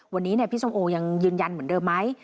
วันนี้พี่ส้มโอยังยืนยันเหมือนเดิมไหม